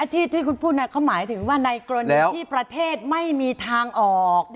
ที่คุณพูดเขาหมายถึงว่าในกรณีที่ประเทศไม่มีทางออก